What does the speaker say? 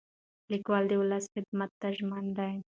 لیکوال د ولس خدمت ته ژمن دی.